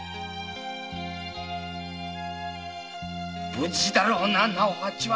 無事だろうな直八は！